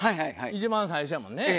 一番最初やもんね。